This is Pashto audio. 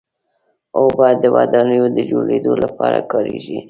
اوبه د ودانیو د جوړېدو لپاره کارېږي.